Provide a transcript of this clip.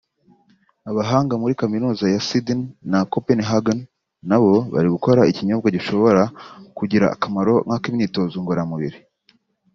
Abahanga muri Kaminuza ya Sydney na Copenhagen nabo bari gukora ikinyobwa gishobora kugira akamaro nk’ak’imyitozo ngororamubiri